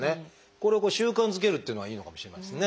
これを習慣づけるっていうのはいいのかもしれませんね。